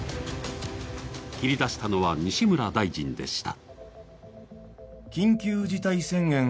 切り出したのは西村大臣でした。